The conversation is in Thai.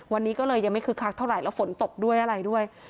วันนี้ก็เลยยังไม่คึกคักเท่าไหร่แล้วฝนตกด้วยอะไรด้วย